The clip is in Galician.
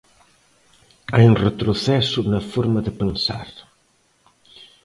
Hai un retroceso na forma de pensar.